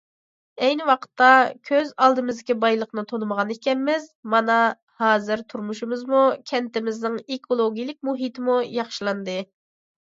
ئەينى ۋاقىتتا كۆز ئالدىمىزدىكى بايلىقنى تونۇمىغان ئىكەنمىز، مانا ھازىر تۇرمۇشىمىزمۇ، كەنتىمىزنىڭ ئېكولوگىيەلىك مۇھىتىمۇ ياخشىلاندى.